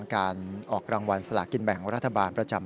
การออกรางวัลสลากินแบ่งรัฐบาลประจำ